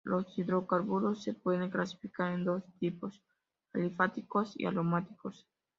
Los hidrocarburos se pueden clasificar en dos tipos: alifáticos y aromáticos.